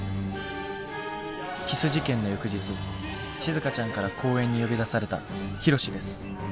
キス事件の翌日しずかちゃんから公園に呼び出されたヒロシです。